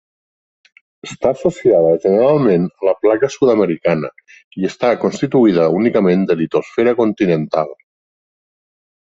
Està associada generalment a la Placa sud-americana i està constituïda únicament de litosfera continental.